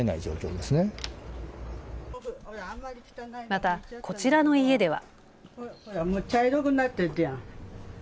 また、こちらの家では。